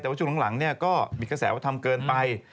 แต่ว่าช่วงหลังก็มีกระแสว่าทำเกินไป